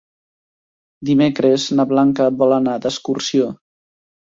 Dimecres na Blanca vol anar d'excursió.